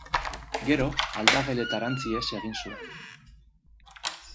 Gero, aldageletarantz ihes egin zuen.